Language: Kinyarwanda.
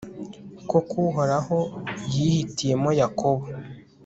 koko uhoraho yihitiyemo yakobo